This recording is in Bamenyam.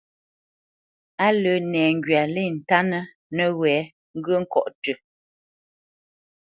Á lə́ nɛŋgywa lê ntánə́ nəwɛ̌ ŋgyə̂ ŋkɔ̌ tʉ́.